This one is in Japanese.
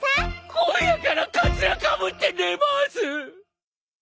今夜からかつらかぶって寝ます！